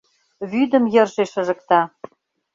Вӱдым йырже шыжыкта...